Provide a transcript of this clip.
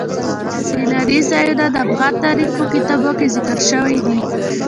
سیلانی ځایونه د افغان تاریخ په کتابونو کې ذکر شوی دي.